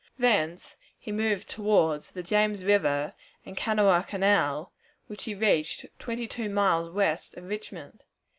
Thence he moved toward the James River and Kanawha Canal, which he reached twenty two miles west of Richmond.